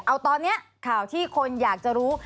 เอาตอนนี้ข่าวที่คนอยากจะรู้